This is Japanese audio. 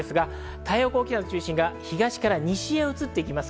太平洋高気圧の中心が東から西へ移っていきます。